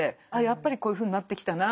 やっぱりこういうふうになってきたな。